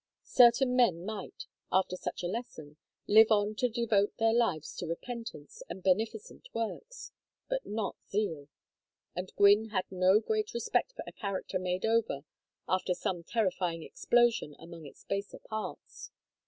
Certain men might, after such a lesson, live on to devote their lives to repentance and beneficent works, but not Zeal; and Gwynne had no great respect for a character made over after some terrifying explosion among its baser parts.